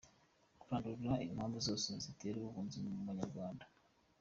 – Kurandura impamvu zose zitera ubuhunzi mu Banyarwanda